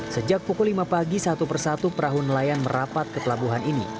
sejak pukul lima pagi satu persatu perahu nelayan merapat ke pelabuhan ini